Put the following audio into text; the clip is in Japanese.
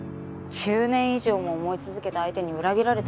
１０年以上も思い続けた相手に裏切られたんですよ。